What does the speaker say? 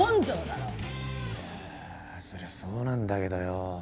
いやそりゃそうなんだけどよ。